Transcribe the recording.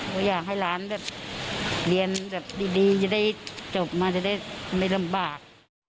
ก็อยากให้หลานแบบเรียนแบบดีจะได้จบมาจะได้ไม่ลำบาก